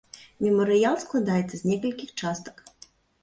Мемарыял складаецца з некалькіх частак.